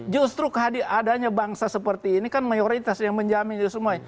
justru adanya bangsa seperti ini kan mayoritas yang menjamin itu semuanya